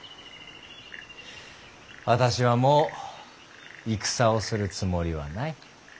私はもう戦をするつもりはない。